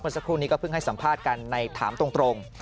สักครู่นี้ก็เพิ่งให้สัมภาษณ์กันในถามตรง